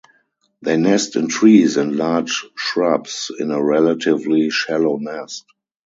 They nest in trees and large shrubs in a relatively shallow nest.